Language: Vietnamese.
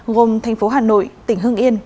gồm thành phố hà nội tỉnh hương yên